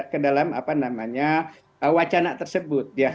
ke dalam apa namanya wacana tersebut